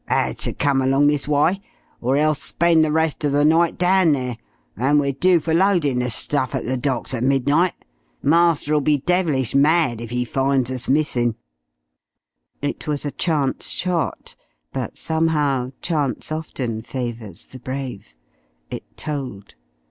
'Ad to come along this w'y, or else spend the rest of the night dahn there, and we're due for loadin' the stuff at the docks at midnight. Master'll be devilish mad if 'e finds us missin'." It was a chance shot, but somehow chance often favours the brave. It told.